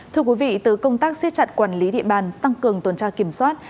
thưa quý vị từ công tác xiết chặt quản lý địa bàn tăng cường tuần tra kiểm soát